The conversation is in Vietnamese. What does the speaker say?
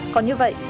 còn như vậy